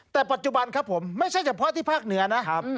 แต่ปัจจุบันครับผมไม่ใช่เฉพาะที่ภาคเหนือนะ